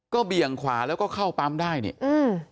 เบี่ยงขวาแล้วก็เข้าปั๊มได้นี่อืม